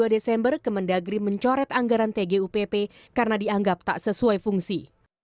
dua desember ke mendagri mencoret anggaran tgupp karena dianggap tak sesuai fungsi